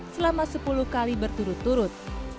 selama sepuluh kali berturut turut